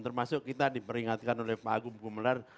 termasuk kita diperingatkan oleh pak agung gumelar